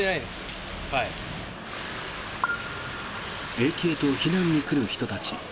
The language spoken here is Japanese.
駅へと避難に来る人たち。